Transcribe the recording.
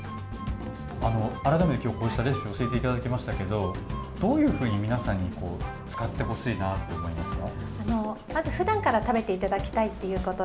改めてレシピを教えていただきましたけどどういうふうに皆さんに使ってほしいと思いますか？